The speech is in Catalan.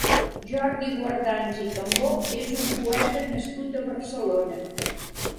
Jordi Guardans i Cambó és un poeta nascut a Barcelona.